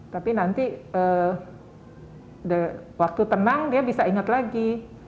tapi nanti waktu tenang dia bisa ingat lagi